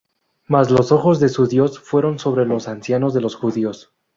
Mas los ojos de su Dios fueron sobre los ancianos de los Judíos